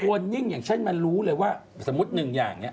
มันควรยิ่งอย่างเช่นมันรู้เลยว่าสมมติ๑อย่างนี้